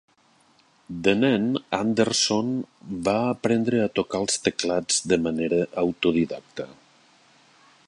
De nen, Andersson va aprendre a tocar els teclats de manera autodidacta.